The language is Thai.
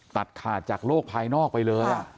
ตัดขาดจากโลกภายนอกไปเลย